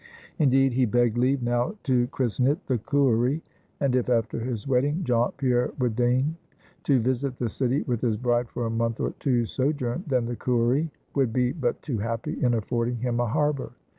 Indeed he begged leave now to christen it the Cooery, and if after his wedding jaunt, Pierre would deign to visit the city with his bride for a month or two's sojourn, then the Cooery would be but too happy in affording him a harbor.